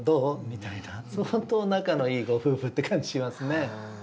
みたいな相当仲のいいご夫婦って感じしますね。